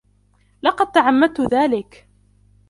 لقد تعمدت ذلك!